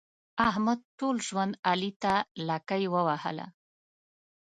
احمد ټول ژوند علي ته لکۍ ووهله.